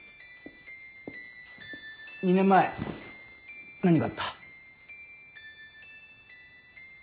２年前何があった？